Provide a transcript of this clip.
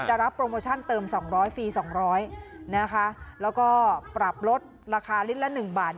รับโปรโมชั่นเติม๒๐๐ฟรีสองร้อยนะคะแล้วก็ปรับลดราคาลิตรละ๑บาท